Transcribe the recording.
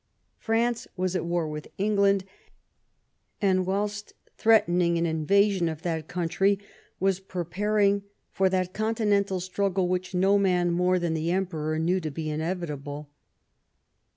France was at war with England, and, whilst threatening an invasion of that country, was preparing for that Continental struggle which no man more than the Emperor knew to be inevitable.